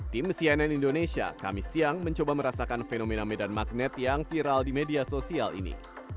tim cnn indonesia kami siang mencoba merasakan fenomena medan magnet yang viral di media sosial ini